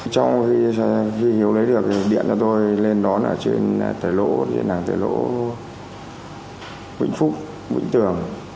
trong khi hiếu lấy được điện cho tôi lên đón ở trên tài lộ trên hàng tài lộ vĩnh phúc vĩnh tường